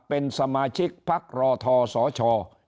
เป็นสมาชิกพักรอทสช